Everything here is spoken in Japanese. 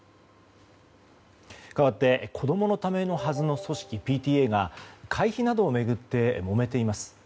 かわって子供のためのはずの組織ＰＴＡが会費などを巡ってもめています。